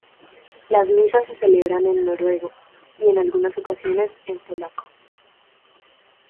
Las misas se celebran en noruego, y en algunas ocasiones en polaco.